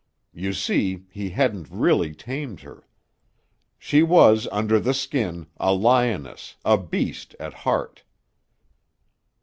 You see, he hadn't really tamed her. She was under the skin, a lioness, a beast, at heart."